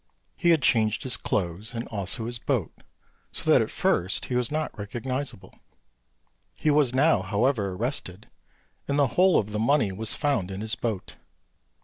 He had changed his clothes and also his boat, so that at first he was not recognisable; he was now, however, arrested, and the whole of the money was found in his boat.